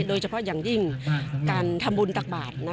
โดยเฉพาะอย่างยิ่งการทำบุญตักบาท